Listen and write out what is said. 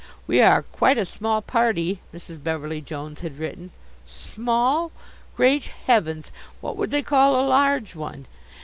"We are quite a small party," Mrs. Beverly Jones had written. Small! Great heavens, what would they call a large one?